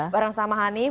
bareng sama hanif